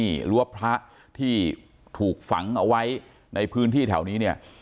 นี่หรือว่าพระที่ถูกฝังเอาไว้ในพื้นที่แถวนี้เนี่ย